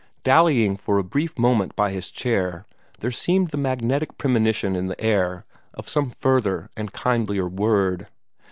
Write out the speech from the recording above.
Dallying for a brief moment by his chair, there seemed the magnetic premonition in the air of some further and kindlier word.